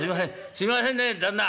すいませんね旦那」。